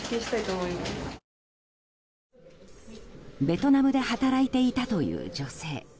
ベトナムで働いていたという女性。